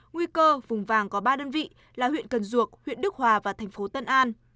nguy cơ vùng vàng có ba đơn vị là huyện cần duộc huyện đức hòa và thành phố tân an